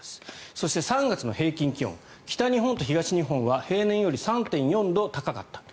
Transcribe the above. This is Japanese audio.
そして、３月の平均気温北日本と東日本は平年より３．４度高かったと。